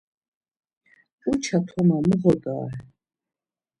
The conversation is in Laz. Uça toma mu ğodare?